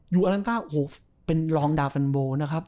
อยู่อลันทราโอ้โหเป็นรองดาวน์ฟันโบนะครับ